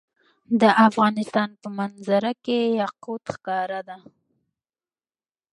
د افغانستان په منظره کې یاقوت ښکاره ده.